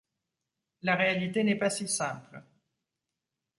La réalité n'est pas si simple.